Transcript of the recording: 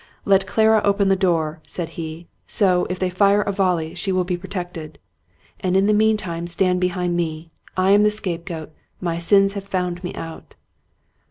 " Let Clara open the door," said he. " So, if they fire a volley, she will be protected. And in the meantime stand behind me. I am the scapegoat; my sins have found me out."